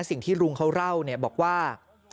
สิ่งที่ลุงเค้าเล่าบอกว่า